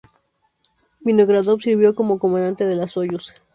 Vinogradov sirvió como comandante de la Soyuz.